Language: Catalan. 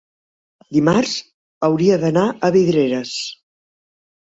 dimarts hauria d'anar a Vidreres.